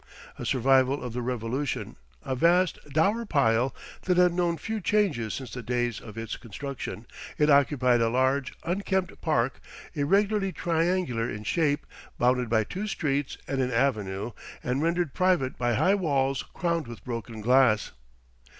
A survival of the Revolution, a vast, dour pile that had known few changes since the days of its construction, it occupied a large, unkempt park, irregularly triangular in shape, bounded by two streets and an avenue, and rendered private by high walls crowned with broken glass.